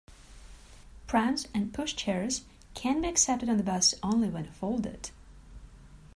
Prams and pushchairs can be accepted on the bus only when folded